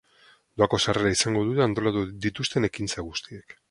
Doako sarrera izango dute antolatu dituzten ekintza guztiek.